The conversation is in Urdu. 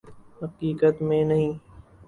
حقیقت میں نہیں